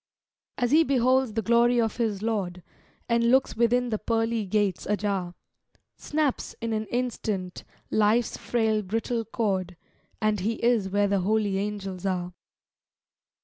As he beholds the glory of his Lord, And looks within the pearly gates ajar, Snaps, in an instant, life's frail brittle cord, And he is where the holy angels are.